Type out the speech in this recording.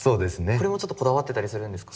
これもちょっとこだわってたりするんですか？